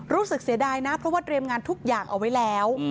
เสียดายนะเพราะว่าเตรียมงานทุกอย่างเอาไว้แล้ว